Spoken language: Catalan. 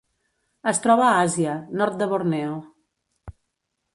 Es troba a Àsia: nord de Borneo.